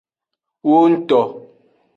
Wongto.